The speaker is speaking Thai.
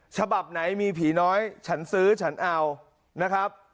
ฉบับไหนมีผีน้อยฉันซื้อฉันเอานะครับ